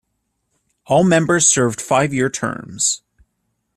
All members served five-year terms.